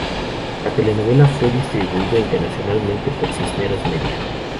La telenovela fue distribuida internacionalmente por Cisneros Media.